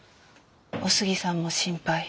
お杉さんも心配。